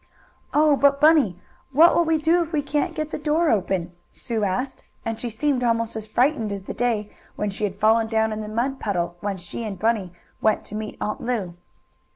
"Oh, but Bunny, what will we do if we can't get the door open?" Sue asked, and she seemed almost as frightened as the day when she had fallen down in the mud puddle when she and Bunny went to meet Aunt Lu.